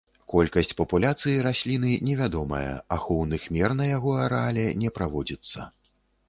Колькасць папуляцыі расліны невядомая, ахоўных мер на яго арэале не праводзіцца.